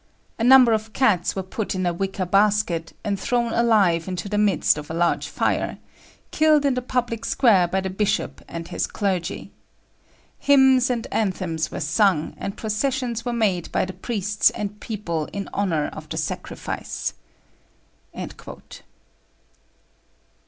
A number of cats were put in a wicker basket, and thrown alive into the midst of a large fire, kindled in the public square by the bishop and his clergy. Hymns and anthems were sung, and processions were made by the priests and people in honour of the sacrifice."